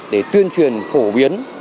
để tuyên truyền khổ biến